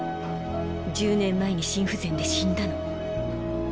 １０年前に心不全で死んだの。